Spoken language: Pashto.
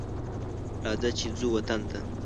راځه چې ځو وطن ته